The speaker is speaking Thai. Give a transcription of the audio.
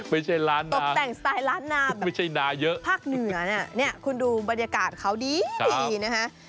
ไม่ใช่ล้านนาไม่ใช่นาเยอะตกแต่งสไตล้านนาภาคเหนือนี่คุณดูบรรยากาศเขาดีนะฮะ